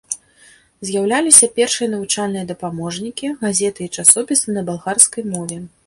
З'яўляліся першыя навучальныя дапаможнікі, газеты і часопісы на балгарскай мове.